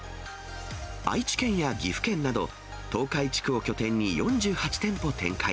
愛知県や岐阜県など、東海地区を拠点に４８店舗展開。